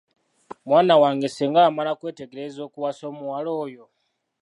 Mwana wange, singa wamala kwetegereza okuwasa omuwala oyo.